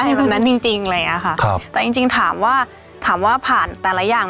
อยู่ตรงนั้นจริงจริงอะไรอย่างเงี้ยค่ะครับแต่จริงจริงถามว่าถามว่าผ่านแต่ละอย่าง